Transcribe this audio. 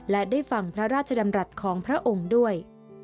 และได้ฟังพระราชดำรัฐของพระองค์ด้วย